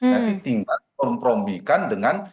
jadi tinggal kontrombikan dengan presiden